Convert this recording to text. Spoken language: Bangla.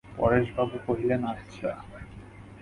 পরেশবাবু কহিলেন, আচ্ছা।